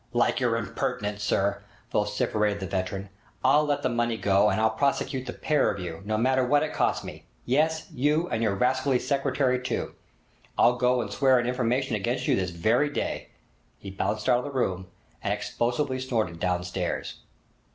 'Like your impertinence, sir!' vociferated the veteran. 'I'll let the money go, and I'll prosecute the pair of you, no matter what it costs me! Yes, you, and your rascally secretary too! I'll go and swear an information against you this very day!' He bounced out of the room, and explosively snorted downstairs.